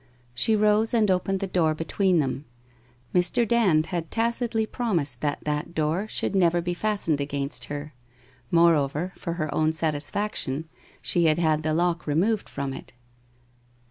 She rose and opened the door between them; Mr. Dand had tacitly promised that that door should never be fastened against her. Moreover, for her own satisfaction, she had had the lock removed from it.